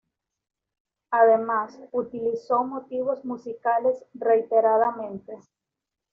Además, utilizó motivos musicales reiteradamente.